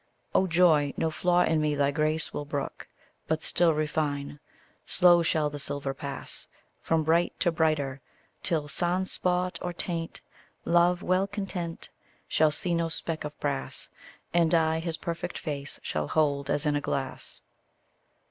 Oh joy! no flaw in me thy grace will brook, But still refine: slow shall the silver pass From bright to brighter, till, sans spot or taint, Love, well content, shall see no speck of brass, And I his perfect face shall hold as in a glass.